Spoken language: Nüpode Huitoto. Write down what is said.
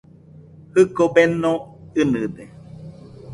Jɨko beno ɨnɨde.